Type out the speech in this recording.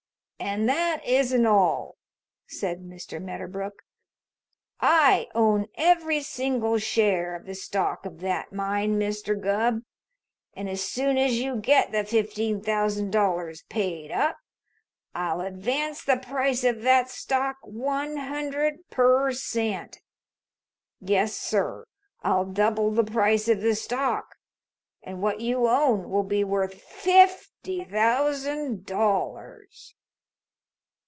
"And that isn't all," said Mr. Medderbrook. "I own every single share of the stock of that mine, Mr. Gubb, and as soon as you get the fifteen thousand dollars paid up I'll advance the price of that stock one hundred per cent! Yes, sir, I'll double the price of the stock, and what you own will be worth fifty thousand dollars!"